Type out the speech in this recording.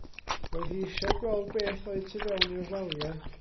Roedd hi eisiau gweld beth oedd tu fewn i'r waliau.